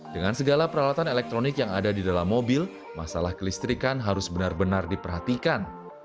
dengan segala peralatan elektronik yang ada di dalam mobil masalah kelistrikan harus benar benar diperhatikan